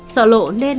sợ lộ nên